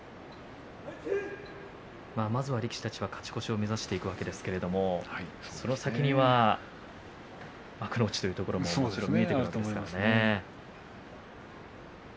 まずは力士たちは勝ち越しを目指していくわけですがその先には幕内というところも見えてくるんですものね。